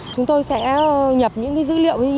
chúng tôi sẽ nhập những dữ liệu